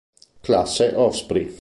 Classe Osprey